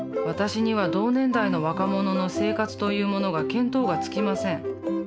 私には同年代の若者の生活というものが見当がつきません。